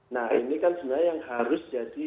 nah ini kan sebenarnya yang harus jadi